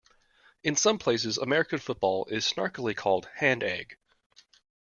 In some places, American football is snarkily called hand-egg.